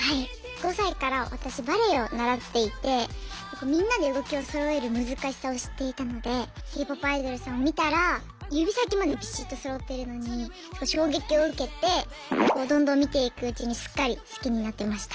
５歳から私バレエを習っていてみんなで動きをそろえる難しさを知っていたのでＫ−ＰＯＰアイドルさんを見たら指先までびしっとそろっているのに衝撃を受けてどんどん見ていくうちにすっかり好きになってました。